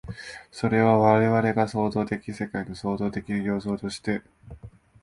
それは我々が創造的世界の創造的要素として、